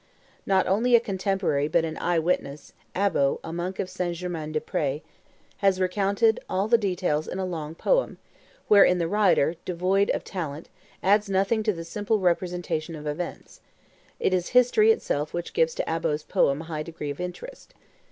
Not only a contemporary but an eye witness, Abbo, a monk of St. Germain des Pres, has recounted the details in a long poem, wherein the writer, devoid of talent, adds nothing to the simple representation of events; it is history itself which gives to Abbo's poem a high degree of interest.